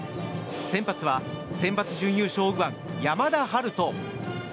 先発はセンバツ準優勝右腕山田陽翔。